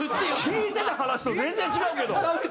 聞いてた話と全然違うけど。